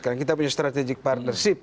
karena kita punya strategic partnership ya